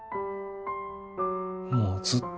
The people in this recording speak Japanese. もうずっと。